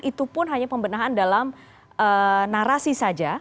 itu pun hanya pembenahan dalam narasi saja